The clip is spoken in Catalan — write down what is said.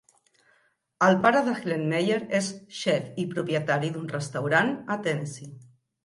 El pare de Hillenmeyer és xef i propietari d'un restaurant a Tennessee.